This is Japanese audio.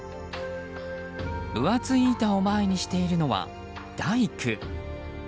分厚い板を前にしているのは大工。